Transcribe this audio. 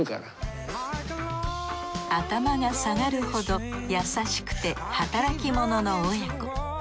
頭が下がるほど優しくて働き者の親子。